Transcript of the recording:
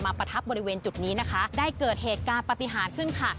ประทับบริเวณจุดนี้นะคะได้เกิดเหตุการณ์ปฏิหารขึ้นค่ะ